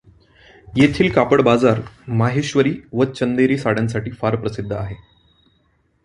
येथील कापड बाजार माहेश्वरी व चंदेरी साड्यांसाठी फार प्रसिद्ध आहे.